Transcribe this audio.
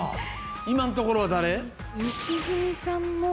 今んところは誰？